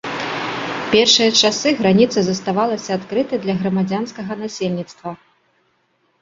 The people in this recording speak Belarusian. Першыя часы граніца заставалася адкрытай для грамадзянскага насельніцтва.